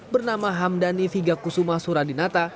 bernama hamdani vigakusuma suradinata